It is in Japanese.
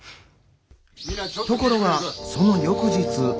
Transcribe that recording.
ところがその翌日。